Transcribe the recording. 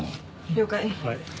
了解。